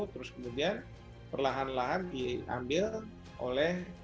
terus kemudian perlahan lahan diambil oleh